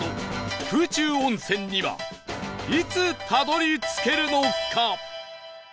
空中温泉にはいつたどり着けるのか？